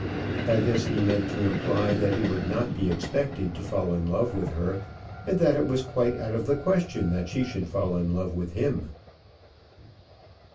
By this he meant to imply that he would not be expected to fall in love with her, and that it was quite out of the question that she should fall in love with him.